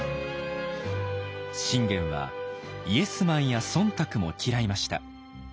信玄はイエスマンや忖度も嫌いました。